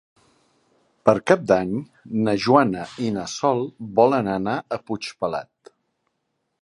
Per Cap d'Any na Joana i na Sol volen anar a Puigpelat.